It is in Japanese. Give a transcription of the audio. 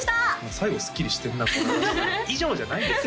最後すっきりしてんな「以上！」じゃないですよ